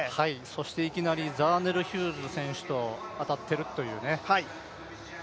そしていきなりザーネル・ヒューズ選手と当たっているというね。